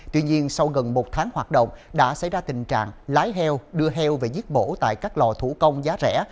tuy nhiên sau gần một tháng hoạt động đã xảy ra tình trạng lái heo đưa heo về giết bổ tại các lò thủ công giá rẻ